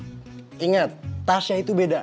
shhh ingat tasha itu beda